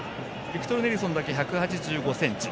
ビクトル・ネルソンだけ１８５ｃｍ。